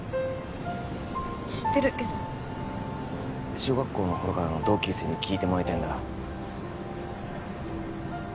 知ってるけど小学校の頃からの同級生に聞いてもらいたいんだ心